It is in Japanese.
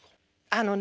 あのね